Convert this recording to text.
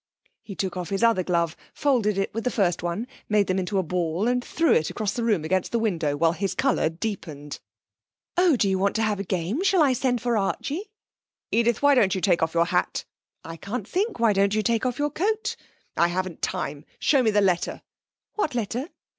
He took off his other glove, folded it with the first one, made them into a ball, and threw it across the room against the window, while his colour deepened. 'Oh, do you want to have a game? Shall I send for Archie?' 'Edith, why don't you take off your hat?' 'I can't think. Why don't you take off your coat?' 'I haven't time. Show me that letter.' 'What letter?'